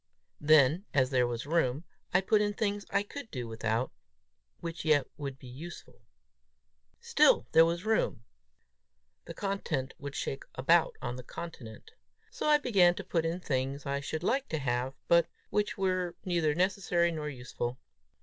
Then, as there was room, I put in things I could do without, which yet would be useful. Still there was room; the content would shake about on the continent! So I began to put in things I should like to have, but which were neither necessary nor useful.